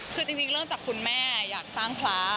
คือจริงเริ่มจากคุณแม่อยากสร้างพระ